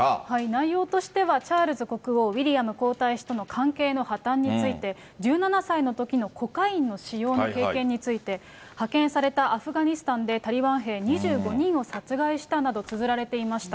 内容としてはチャールズ国王、ウィリアム皇太子との関係の破綻について、１７歳のときのコカインの使用の経験について、派遣されたアフガニスタンで、タリバン兵２５人を殺害したなどつづられていました。